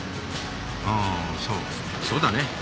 ああそうそうだね。